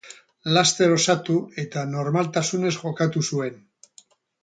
Laster osatu, eta normaltasunez jokatu zuen.